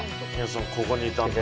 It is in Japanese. ここにいたんだ。